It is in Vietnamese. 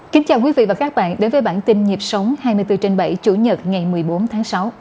kính chào quý vị và các bạn đến với bản tin nhịp sống hai mươi bốn trên bảy chủ nhật ngày một mươi bốn tháng sáu